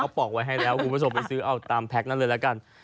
เขาปอกไว้ให้แล้วกูมาส่งไปซื้อตามแพ็คนั้นเลยละกัน